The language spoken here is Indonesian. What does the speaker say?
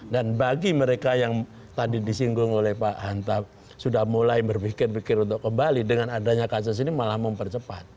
dan bagi mereka yang tadi disinggung oleh pak hanta sudah mulai berpikir pikir untuk kembali dengan adanya kasus ini malah mempercepat